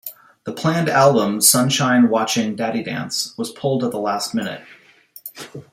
The planned album, "Sunshine Watching Daddy Dance", was pulled at the last minute.